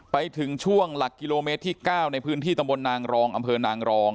ไปถึงช่วงหลักกิโลเมตรที่๙ในพื้นที่ตำบลนางรองอำเภอนางรอง